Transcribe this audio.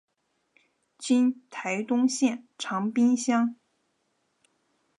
今台东县长滨乡。